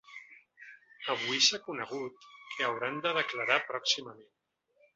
Avui s’ha conegut que hauran de declarar pròximament.